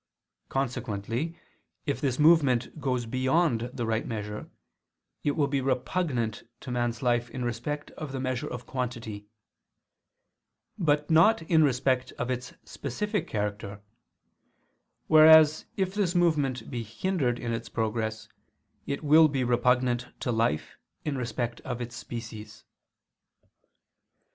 Consequently if this movement goes beyond the right measure, it will be repugnant to man's life in respect of the measure of quantity; but not in respect of its specific character: whereas if this movement be hindered in its progress, it will be repugnant to life in respect of its species.